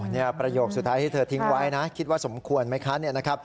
นี่ประโยคสุดท้ายที่เธอทิ้งไว้นะคิดว่าสมควรไหมคะ